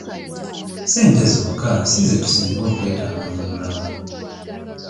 Ssente zokka si ze tusinga okwetaaga mu bulalamu.